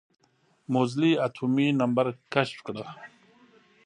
موزلي اتومي نمبر کشف کړه.